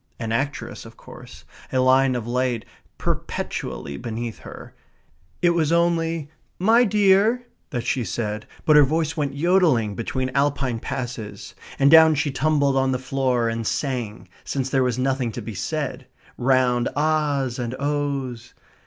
An actress of course, a line of light perpetually beneath her. It was only "My dear" that she said, but her voice went jodelling between Alpine passes. And down she tumbled on the floor, and sang, since there was nothing to be said, round ah's and oh's.